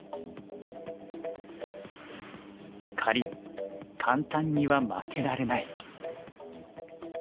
かりん簡単には負けられない。